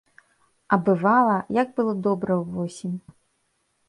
А бывала, як было добра ўвосень!